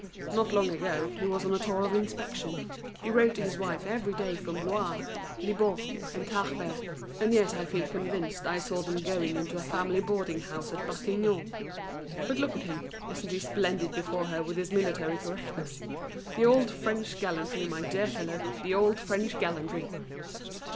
"Not long ago, he was on a tour of inspection; he wrote to his wife every day from Blois, Libourne, and Tarbes; and yet I feel convinced I saw them going into a family boarding house at Batignolles. But look at him, isn't he splendid before her with his military correctness! The old French gallantry, my dear fellow, the old French gallantry!"